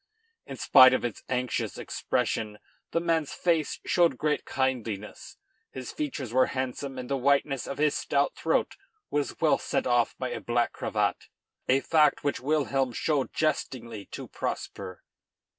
In spite of its anxious expression the man's face showed great kindliness. His features were handsome; and the whiteness of his stout throat was well set off by a black cravat, a fact which Wilhelm showed jestingly to Prosper."